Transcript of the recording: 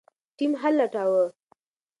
ټیم حل لټاوه.